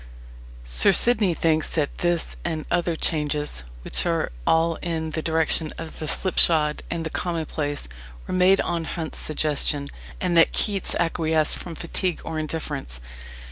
Sir Sidney thinks that this and other changes, "which are all in the direction of the slipshod and the commonplace, were made on Hunt's suggestion, and that Keats acquiesced from fatigue or indifference."